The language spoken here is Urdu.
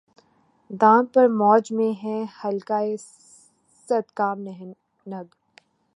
دام ہر موج میں ہے حلقۂ صد کام نہنگ